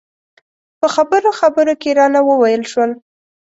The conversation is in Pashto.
په خبرو خبرو کې رانه وویل شول.